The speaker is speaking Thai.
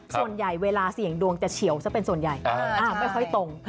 ส่วนใหญ่เวลาเสี่ยงดวงจะเฉียวซะเป็นส่วนใหญ่ไม่ค่อยตรง